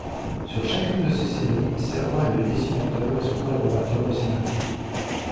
Sur chacune de ces séries, Servain est le dessinateur et son collaborateur le scénariste.